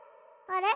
あれ？